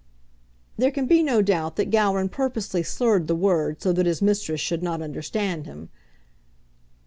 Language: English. There can be no doubt that Gowran purposely slurred the word so that his mistress should not understand him.